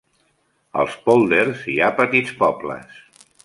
Als pòlders hi ha petits pobles.